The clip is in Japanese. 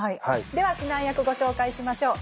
では指南役ご紹介しましょう。